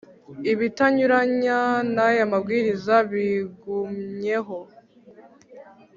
ibitanyuranya n’aya mabwiriza bigumyeho